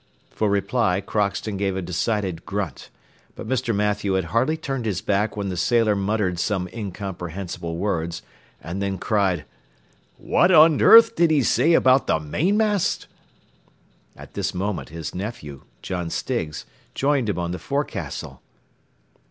For reply, Crockston gave a decided grunt, but Mr. Mathew had hardly turned his back when the sailor muttered some incomprehensible words, and then cried: "What on earth did he say about the mainmast?" At this moment his nephew, John Stiggs, joined him on the forecastle.